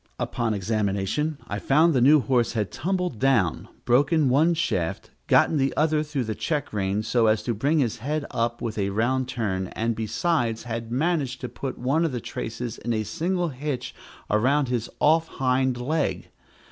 Upon examination I found the new horse had tumbled down, broken one shaft, gotten the other through the check rein so as to bring his head up with a round turn, and besides had managed to put one of the traces in a single hitch around his off hind leg.